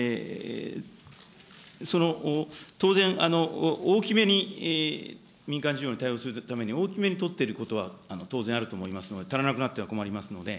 その、当然、大きめに民間需要に対応するために大きめに取っていることは当然あると思いますので、足らなくなっては困りますので。